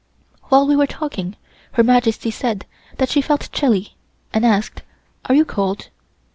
While we were talking Her Majesty said that she felt chilly and asked: "Are you cold?